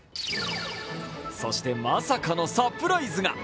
そして、まさかのサプライズが。